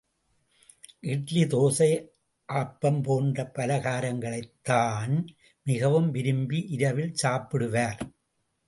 இட்லி, தோசை, ஆப்பம் போன்ற பலகாரங்களைத்தான் மிகவும் விரும்பி இரவில் சாப்பிடுவார்.